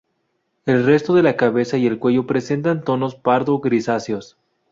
El resto de la cabeza y el cuello presenta tonos pardo-grisáceos.